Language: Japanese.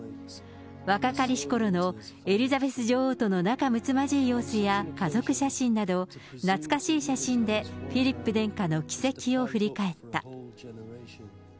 若かりしころのエリザベス女王との仲むつまじい様子や家族写真など、懐かしい写真でフィリップ殿下の軌跡を振り返った。